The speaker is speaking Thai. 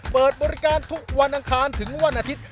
เปิดบริการทุกวันอังคารถึงวันอาทิตย์